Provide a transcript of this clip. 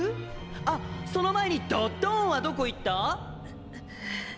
あその前にドッドーンはどこ行った？っ！